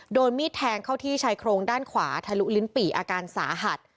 โดนมีดแทงเข้าที่ชายโครงด้านขวาทะลุลิ้นปี่อาการสาหัส